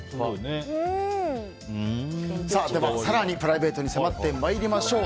更にプライベートに迫ってまいりましょう。